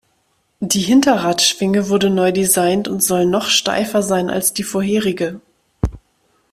Die Hinterradschwinge wurde neu designt und soll noch steifer sein als die vorherige.